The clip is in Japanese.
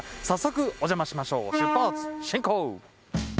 早速、お邪魔しましょう。